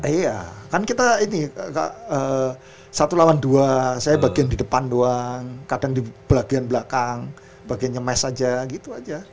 iya kan kita ini satu lawan dua saya bagian di depan doang kadang di bagian belakang bagian ngemes aja gitu aja